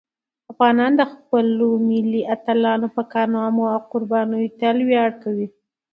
افغانان د خپلو ملي اتلانو په کارنامو او قربانیو تل ویاړ کوي.